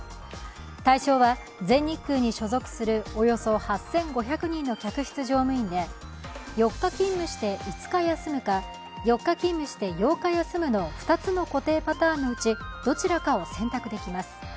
対象は、全日空に所属するおよそ８５００人の客室乗務員で４日勤務して５日休むか、４日勤務して８日休むの２つの固定パターンのうちどちらかを選択できます。